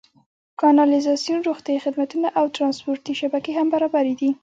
کانالیزاسیون، روغتیايي خدمتونه او ټرانسپورتي شبکې هم برابرې دي.